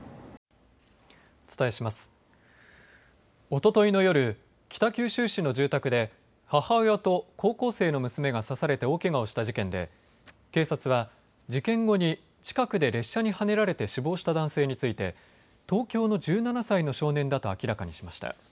おとといの夜、北九州市の住宅で母親と高校生の娘が刺されて大けがをした事件で警察は事件後に近くで列車にはねられて死亡した男性について東京の１７歳の少年だと明らかにしました。